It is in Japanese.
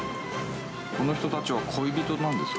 この人たちは恋人なんですか？